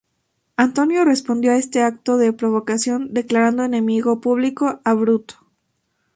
Antonio respondió a este acto de provocación declarando enemigo público a Bruto.